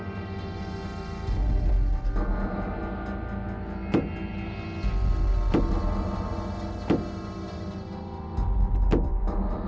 tidak ada apa apa